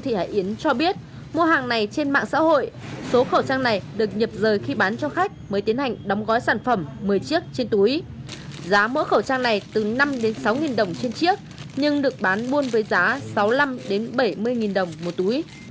chị hải yến cho biết mua hàng này trên mạng xã hội số khẩu trang này được nhập rời khi bán cho khách mới tiến hành đóng gói sản phẩm một mươi chiếc trên túi giá mỗi khẩu trang này từ năm sáu đồng trên chiếc nhưng được bán buôn với giá sáu mươi năm bảy mươi đồng một túi